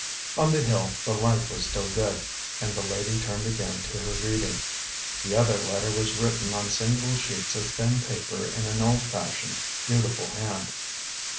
On the hill the light was still good, and the lady turned again to her reading. The other letter was written on single sheets of thin paper in an old fashioned, beautiful hand.